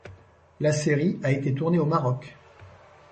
La série a été tournée au Maroc.